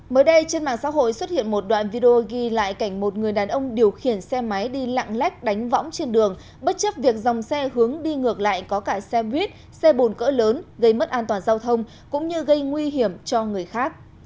mới đây trên mạng xã hội xuất hiện một đoạn video ghi lại cảnh một người đàn ông điều khiển xe máy đi lạng lách đánh võng trên đường bất chấp việc dòng xe hướng đi ngược lại có cả xe buýt xe bồn cỡ lớn gây mất an toàn giao thông cũng như gây nguy hiểm cho người khác